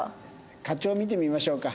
課長見てみましょうか。